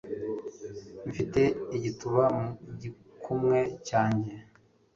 Mfite igituba mu gikumwe cyanjye